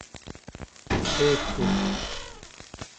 制服